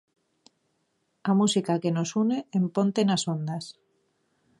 A música que nos une en Ponte nas Ondas!